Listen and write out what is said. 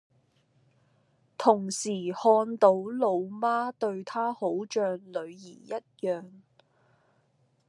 同時看到老媽對她好像女兒一樣